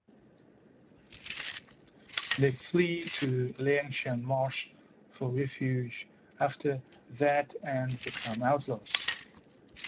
They flee to Liangshan Marsh for refuge after that and become outlaws.